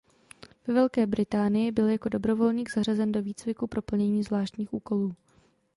Ve Velké Británii byl jako dobrovolník zařazen do výcviku pro plnění zvláštních úkolů.